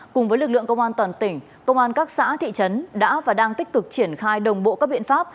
cùng với lực lượng công an toàn tỉnh công an các xã thị trấn đã và đang tích cực triển khai đồng bộ các biện pháp